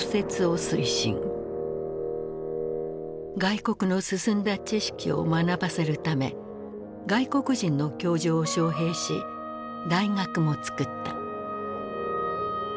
外国の進んだ知識を学ばせるため外国人の教授を招へいし大学もつくった。